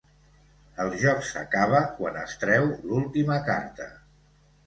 El joc s'acaba quan es treu l'última carta.